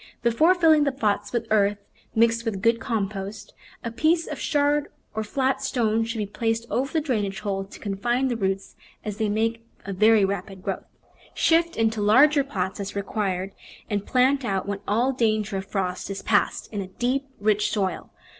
Before filling the pots with earth mixed with good compost, a piece of shard, or flat stone, should be placed over the drainage hole to confine the roots, as they make a very rapid growth. Shift into larger pots as required, and plant out when all danger of frost is past in a deep, rich soil.